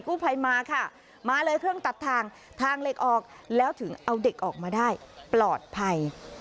กู้ภัยมาค่ะมาเลยเครื่องตัดทางทางเหล็กออกแล้วถึงเอาเด็กออกมาได้ปลอดภัย